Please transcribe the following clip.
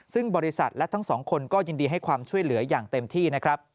ซึ่งบริษัทและทั้งสองคนก็ยินดีให้ความช่วยเหลืออย่างเต็มที่นะครับ